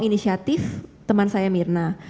inisiatif teman saya mirna